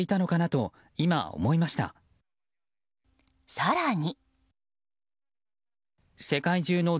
更に。